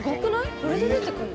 これで出てくるの？